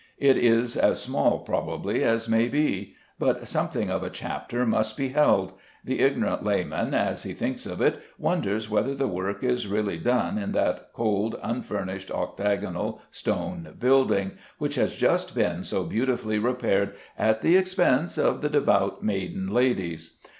It is as small, probably, as may be; but something of a chapter must be held. The ignorant layman, as he thinks of it, wonders whether the work is really done in that cold unfurnished octagonal stone building, which has just been so beautifully repaired at the expense of the devout maiden ladies.